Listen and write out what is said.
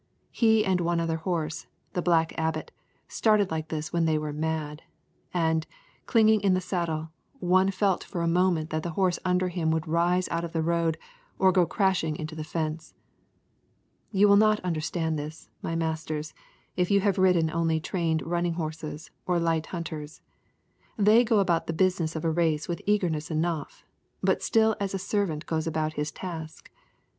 He and one other horse, the Black Abbot, started like this when they were mad. And, clinging in the saddle, one felt for a moment that the horse under him would rise out of the road or go crashing into the fence. You will not understand this, my masters, if you have ridden only trained running horses or light hunters. They go about the business of a race with eagerness enough, but still as a servant goes about his task.